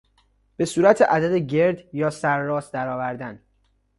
به صورت عدد گرد یا سر راست درآوردن